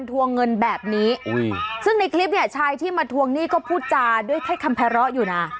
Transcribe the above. ทวงเงินแบบนี้ซึ่งในคลิปนี้ชายที่มาทวงหนี้ก็พูดจาด้วยแค่คำแพร่เลาะอยู่นะ